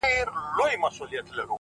• کشپ وژړل چي زه هم دلته مرمه ,